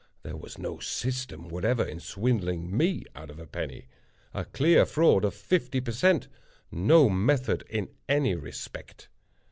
There was no system whatever in swindling me out of a penny—a clear fraud of fifty per cent—no method in any respect.